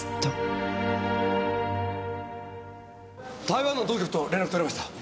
台湾の当局と連絡取れました。